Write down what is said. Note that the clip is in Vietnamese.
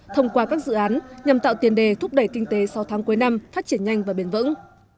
thông qua các dự án nhằm tạo tiền đề thúc đẩy kinh tế sau tháng cuối năm phát triển nhanh và bền vững